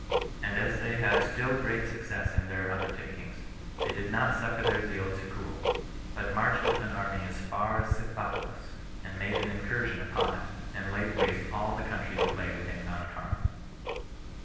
And as they had still great success in their undertakings, they did not suffer their zeal to cool, but marched with an army as far as Scythopolis, and made an incursion upon it, and laid waste all the country that lay within Mount Carmel.